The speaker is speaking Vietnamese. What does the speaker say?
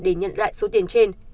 để nhận lại số tiền trên